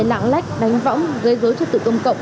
lạng lách đánh võng gây dối trật tự công cộng